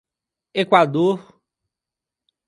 Equador